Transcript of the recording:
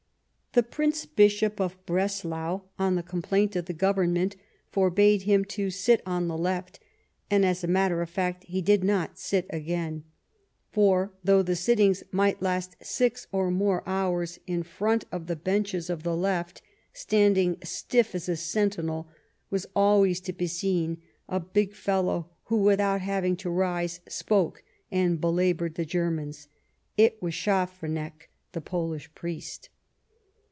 The Prince Bishop of Breslau, on the complaint of the Government, forbade him to " sit " on the left ; and, as a matter of fact, he did not sit again ; for, though the sittings might last six or more hours, in front of the benches of the left, standing stiff as a sentinel, was always to be seen a big fellow, who, without having to rise, spoke and belaboured the Germans. It was Schaffranek, the Polish priest.